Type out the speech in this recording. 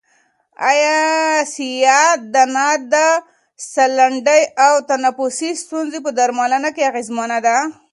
آیا سیاه دانه د سالنډۍ او تنفسي ستونزو په درملنه کې اغېزمنه ده؟